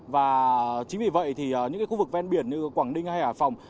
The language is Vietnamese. và chính vì vậy thì những khu vực ven biển như quảng ninh hay hải phòng